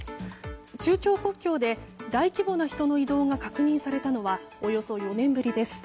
中朝国境で大規模な人の移動が確認されたのはおよそ４年ぶりです。